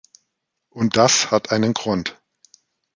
Und das hat einen Grund.